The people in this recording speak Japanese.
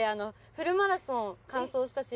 フルマラソン完走したし６０